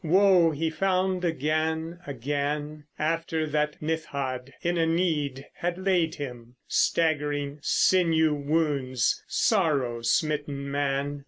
Woe he found again, again, After that Nithhad in a need had laid him Staggering sinew wounds sorrow smitten man!